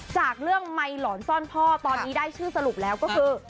จากเรื่องไมค์หลอนซ่อนพ่อตอนนี้ได้ชื่อสรุปแล้วก็คือ